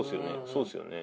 そうですよね。